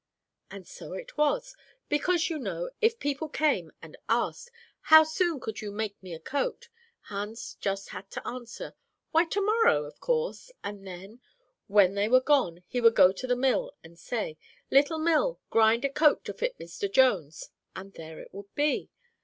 "And so it was. Because, you know, if people came and asked, 'How soon could you make me a coat?' Hans just had to answer, 'Why, to morrow of course;' and then, when they were gone, he would go to the mill, and say, 'Little mill, grind a coat to fit Mr. Jones,' and there it would be.